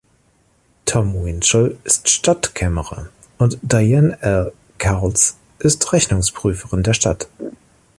Tom Winchell ist Stadtkämmerer und Diane L. Cowles ist Rechnungsprüferin der Stadt.